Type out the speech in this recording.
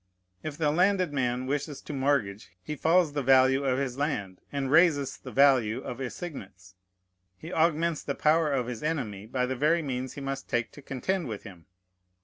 If the landed man wishes to mortgage, he falls the value of his land and raises the value of assignats. He augments the power of his enemy by the very means he must take to contend with him.